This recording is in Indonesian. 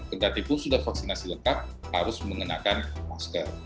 kendaki pun sudah vaksinasi lengkap harus mengenakan masker